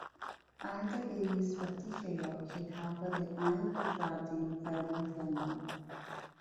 Aed ag e i ysbyty lleol lle cafodd ei ailhydradu'n fewnwythiennol.